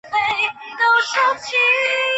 各年度的使用人数如下表。